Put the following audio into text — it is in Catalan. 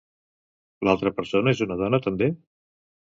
L'altra persona és una dona també?